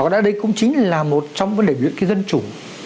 đó cũng chính là một trong những lệnh luyện dân chủ